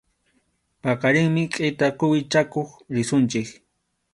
Paqarinmi kʼita quwi chakuq risunchik.